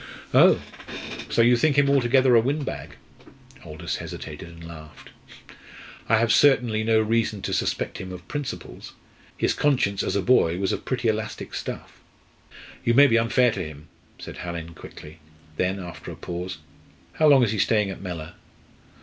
"Oh! so you think him altogether a windbag?" Aldous hesitated and laughed. "I have certainly no reason to suspect him of principles. His conscience as a boy was of pretty elastic stuff." "You may be unfair to him," said Hallin, quickly. Then, after a pause: "How long is he staying at Mellor?"